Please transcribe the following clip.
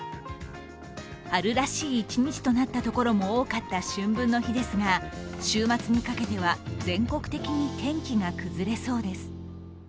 春らしい一日となったところも多かった春分の日ですが、週末にかけては全国的に天気が崩れそうです。